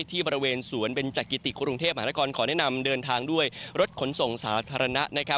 ที่บริเวณสวนเบนจักิติกรุงเทพมหานครขอแนะนำเดินทางด้วยรถขนส่งสาธารณะ